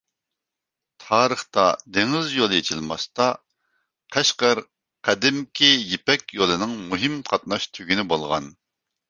تارىختا دېڭىز يولى ئېچىلماستا، قەشقەر قەدىمكى «يىپەك يولى» نىڭ مۇھىم قاتناش تۈگۈنى بولغان.